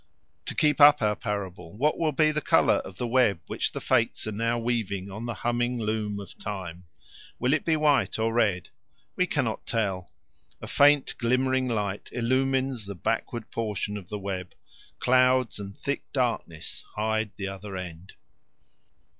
To keep up our parable, what will be the colour of the web which the Fates are now weaving on the humming loom of time? will it be white or red? We cannot tell. A faint glimmering light illumines the backward portion of the web. Clouds and thick darkness hide the other end.